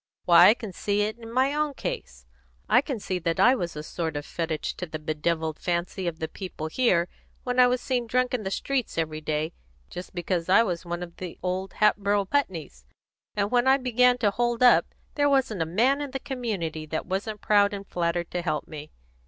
Why, I can see it in my own case. I can see that I was a sort of fetich to the bedevilled fancy of the people here when I was seen drunk in the streets every day, just because I was one of the old Hatboro' Putneys; and when I began to hold up, there wasn't a man in the community that wasn't proud and flattered to help me.